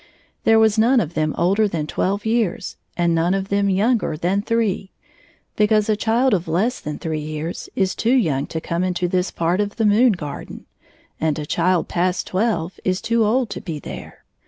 There was none of them older than twelve years, and none of them younger than three, because a child of less than three years is too yomig to come into this part of the moon garden, and a child past twelve is too old to be there.